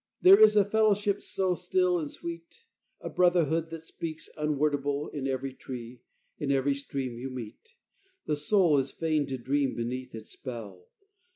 There is a fellowship so still and sweet, A brotherhood, that speaks, unwordable, In every tree, in every stream you meet, The soul is fain to dream beneath its spell.